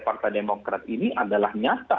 partai demokrat ini adalah nyata